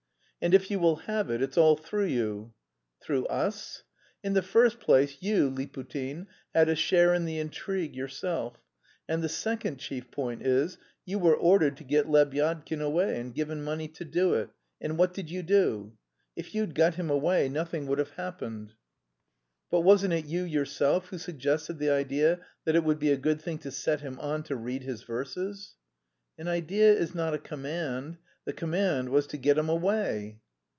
"And if you will have it, it's all through you." "Through us?" "In the first place, you, Liputin, had a share in the intrigue yourself; and the second chief point is, you were ordered to get Lebyadkin away and given money to do it; and what did you do? If you'd got him away nothing would have happened." "But wasn't it you yourself who suggested the idea that it would be a good thing to set him on to read his verses?" "An idea is not a command. The command was to get him away."